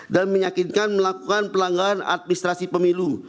dan menyakinkan melakukan pelanggaran administrasi pemilu